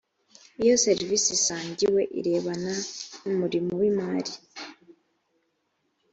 iyo serivisi isangiwe irebana n umurimo w imari